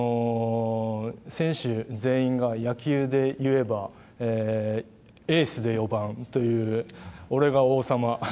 選手全員が野球で言えばエースで４番という俺が王様